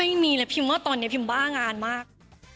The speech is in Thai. ไม่มีเลยพี่ช้อนว่าตอนนี้พี่ช้อนบ้างงานมาก